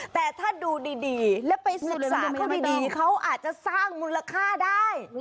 แต่ถ้าดูดีแล้วไปศึกษาเขาดีเขาอาจจะสร้างมูลค่าได้